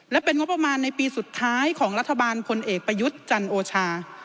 และเป็นงบประมาณในปีสุดท้ายของรัฐบาลพลเอกประยุทธ์จันโอชา